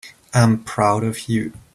I'm proud of you.